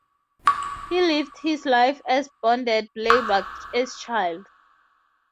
He lived his life as bonded labour as child.